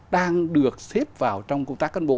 đang được xếp vào trong công tác căn bộ